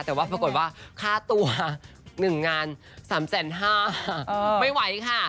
แต่ว่าปรากฏว่าค่าตัว๑งาน๓๕๐๐บาทไม่ไหวค่ะ